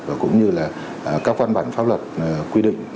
và cũng như là các văn bản pháp luật quy định